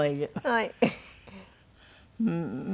はい。